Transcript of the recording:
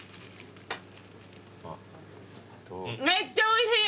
めっちゃおいしい！